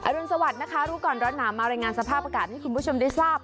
รุนสวัสดิ์นะคะรู้ก่อนร้อนหนาวมารายงานสภาพอากาศให้คุณผู้ชมได้ทราบ